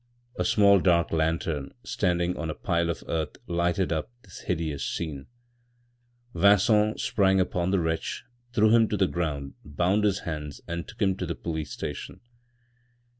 A small dark lantern, standing on a pile of earth, lighted up this hideous scene. Vincent sprang upon the wretch, threw him to the ground, bound his hands and took him to the police station.